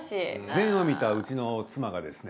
全話見たうちの妻がですね。